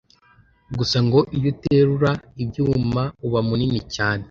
Gusa ngo iyo uterura ibyuma uba munini cyane